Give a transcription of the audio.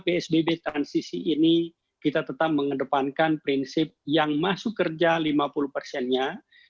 psbb transisi ini kita tetap mengedepankan prinsip yang masuk kerja lima puluh persennya